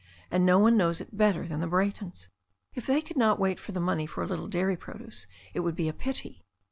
And no one knows it better than the Bra3rtons. If they could not wait for the money for a little dairy produce it would be a pity."